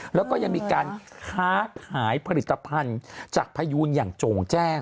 แล้วก็ยังมีการค้าขายผลิตภัณฑ์จากพยูนอย่างโจ่งแจ้ง